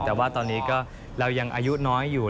แต่ว่าตอนนี้ก็เรายังอายุน้อยอยู่